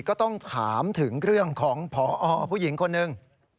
ก็ต้องถามถึงเรื่องของพอผู้หญิงคนหนึ่ง